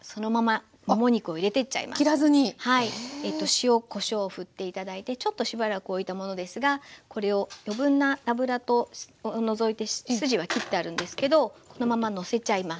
塩こしょうをふって頂いてちょっとしばらくおいたものですがこれを余分な脂を除いて筋は切ってあるんですけどこのままのせちゃいます。